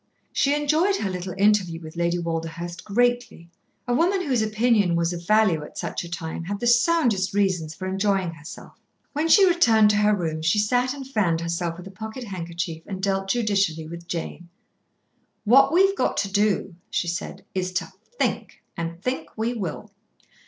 She enjoyed her little interview with Lady Walderhurst greatly. A woman whose opinion was of value at such a time had the soundest reasons for enjoying herself. When she returned to her room, she sat and fanned herself with a pocket handkerchief and dealt judicially with Jane. "What we've got to do," she said, "is to think, and think we will.